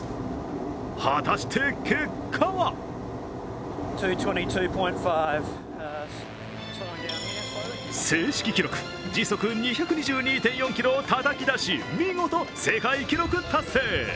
果たして結果は正式記録時速２２２．４キロをたたき出し見事、世界記録達成。